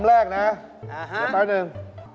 อื้อฮะเดี๋ยวแป๊บหนึ่ง